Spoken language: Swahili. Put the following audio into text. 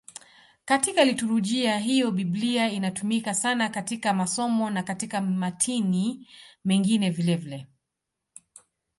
Katika liturujia hiyo Biblia inatumika sana katika masomo na katika matini mengine vilevile.